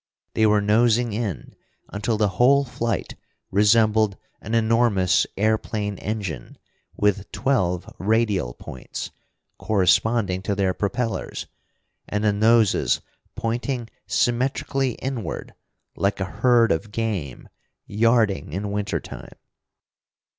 They were nosing in, until the whole flight resembled an enormous airplane engine, with twelve radial points, corresponding to their propellers, and the noses pointing symmetrically inward, like a herd of game, yarding in winter time.